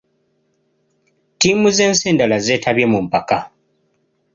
Ttiimi z'ensi endala zeetabye mu mpaka.